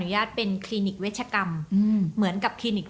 มีทางไม่ปิดหรอกแต่พอปิดเสร็จก็เอาเช็นน้ำตากูหน่อยละกัน